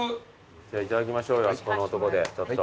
じゃあいただきましょうよあそこのとこでちょっと。